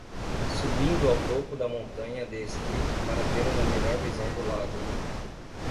Subindo ao topo da montanha de esqui para ter uma melhor visão do lago